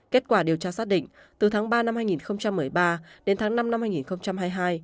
kết quả điều tra xác định từ tháng ba năm hai nghìn một mươi ba đến tháng năm năm hai nghìn hai mươi hai